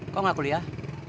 kok gak kuliah